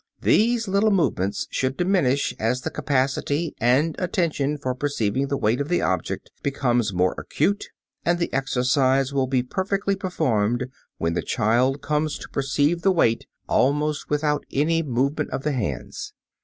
These little movements should diminish as the capacity and attention for perceiving the weight of the object becomes more acute and the exercise will be perfectly performed when the child comes to perceive the weight almost without any movement of the hands.